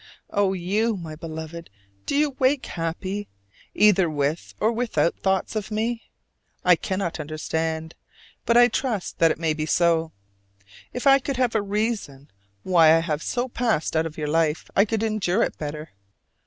Oh, you, my Beloved, do you wake happy, either with or without thoughts of me? I cannot understand, but I trust that it may be so. If I could have a reason why I have so passed out of your life, I could endure it better.